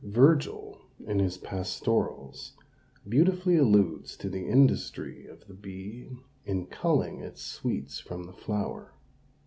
Virgil, in his "Pastorals," beautifully alludes to the industry of the bee in culling its sweets from the flower.